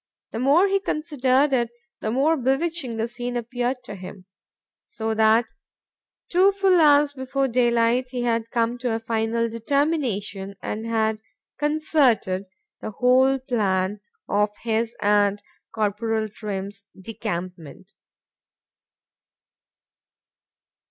—The more he considered it, the more bewitching the scene appeared to him;—so that, two full hours before day light, he had come to a final determination and had concerted the whole plan of his and Corporal Trim's decampment.